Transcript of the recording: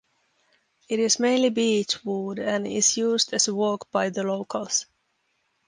It is mainly beech wood and is used as a walk by the locals.